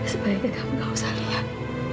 sebaiknya kamu gak usah liat